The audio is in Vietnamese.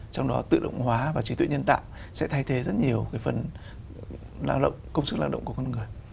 trong đó tự động hóa và trí tuệ nhân tạo sẽ thay thế rất nhiều phần công sức lao động của con người